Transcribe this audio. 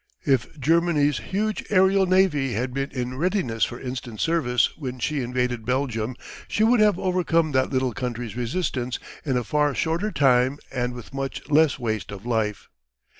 If Germany's huge aerial navy had been in readiness for instant service when she invaded Belgium, she would have overcome that little country's resistance in a far shorter time and with much less waste of life.